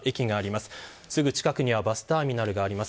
すぐ近くにはバスターミナルがあります。